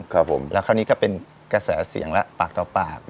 ครับผมแล้วคราวนี้ก็เป็นกระแสเสียงแล้วปากต่อปาก